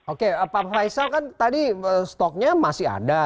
oke pak faisal kan tadi stoknya masih ada